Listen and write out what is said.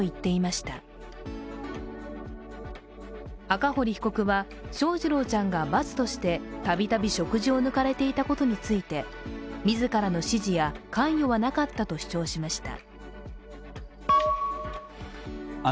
赤堀被告は、翔士郎ちゃんが罰として度々食事を抜かれていたことについて自らの指示や関与はなかったと主張しました。